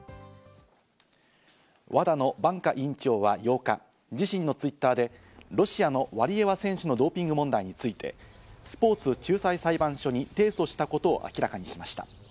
ＷＡＤＡのバンカ委員長は８日、自身のツイッターでロシアのワリエワ選手のドーピング問題について、スポーツ仲裁裁判所に提訴したことを明らかにしました。